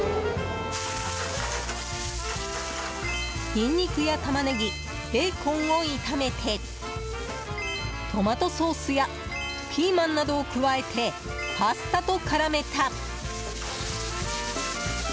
ニンニクやタマネギベーコンを炒めてトマトソースやピーマンなどを加えて、パスタと絡めた。